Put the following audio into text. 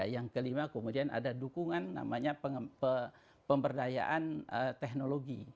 yang kelima kemudian ada dukungan namanya pemberdayaan teknologi